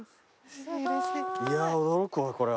いやー驚くわこれは。